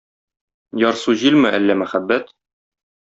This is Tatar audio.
Ярсу җилме әллә мәхәббәт?